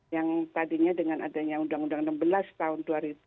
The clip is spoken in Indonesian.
yang tadinya dengan adanya undang undang enam belas tahun dua ribu dua